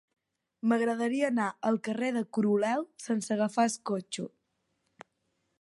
M'agradaria anar al carrer de Coroleu sense agafar el cotxe.